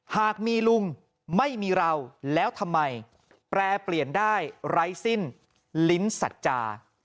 หากมีลุงไม่มีเราแล้วทำไมแปรเปลี่ยนได้ไร้สิ้นลิ้นสัจจา